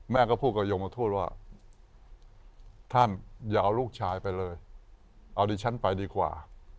แม่ก็พูดกับยมทูตว่าท่านอย่าเอาลูกชายไปเลยเอาดิฉันไปดีกว่า